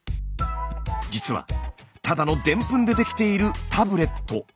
実はただのでんぷんで出来ているタブレット。